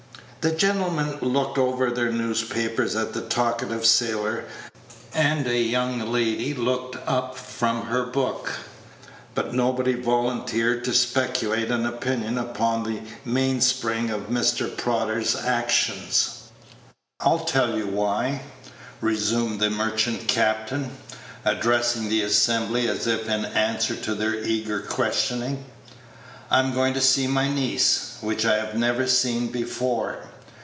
The gentlemen looked over their newspapers at the talkative sailor, and a young lady looked up from her book, but nobody volunteered to speculate an opinion upon the mainspring of Mr. Prodder's actions. "I'll tell you for why," resumed the merchant captain, addressing the assembly as if in answer to their eager questioning. "I'm going to see my niece, which I have never seen before.